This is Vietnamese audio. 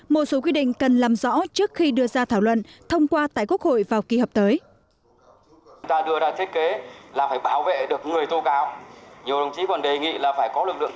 một số quy định cần làm rõ trước khi đưa ra thảo luận thông qua tại quốc hội vào kỳ họp tới